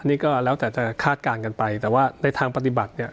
นี่ก็แล้วแต่จะคาดการณ์กันไปแต่ว่าในทางปฏิบัติเนี่ย